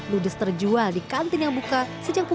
ludes terjual di kantin yang buka sejak tahun dua ribu